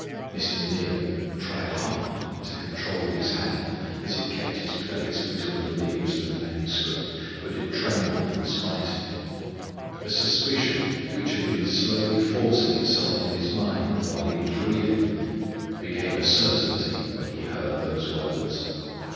Mr. Neal tried hard to control his hand as it kept his place between the leaves of the manuscripts but it trembled in spite of him. A suspicion which had been slowly forcing itself on his mind, while he was reading, became a certainty when he heard those words.